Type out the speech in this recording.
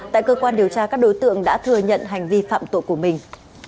tại cơ quan điều tra các đối tượng đã thừa nhận hành vi phạm tội của mình